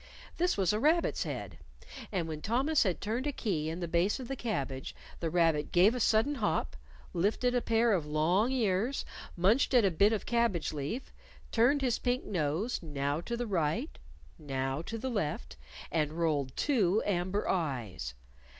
This was a rabbit's head. And when Thomas had turned a key in the base of the cabbage, the rabbit gave a sudden hop, lifted a pair of long ears, munched at a bit of cabbage leaf, turned his pink nose, now to the right, now to the left, and rolled two amber eyes.